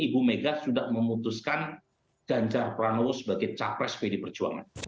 ibu mega sudah memutuskan ganjar pranowo sebagai capres pd perjuangan